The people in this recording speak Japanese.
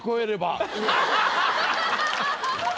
アハハハ！